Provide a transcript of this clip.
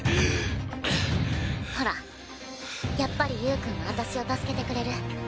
ほらやっぱりゆーくんは私を助けてくれる。